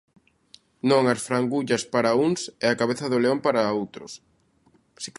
Non as frangullas para uns e a cabeza do león para outros.